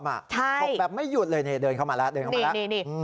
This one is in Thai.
ฉกแบบไม่หยุดเลยเดินเข้ามาแล้วเดินเข้ามาแล้ว